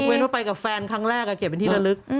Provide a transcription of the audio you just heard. เดี๋ยวคุณเห็นว่าไปกับแฟนครั้งแรกเก็บบางทีละลึก